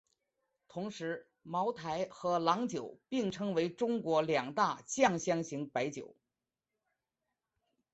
同时茅台和郎酒并称为中国两大酱香型白酒。